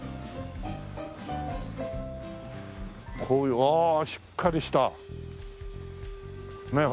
こういうああしっかりした。ねえ。